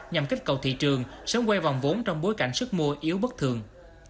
nhằm kích cầu thị trường sớm quay vòng vốn trong bối cảnh sức mua yếu bất thường